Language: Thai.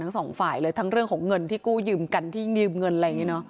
ทั้งสองฝ่ายเลยทั้งเรื่องของเงินที่กู้ยืมกันที่ยืมเงินอะไรอย่างนี้เนอะ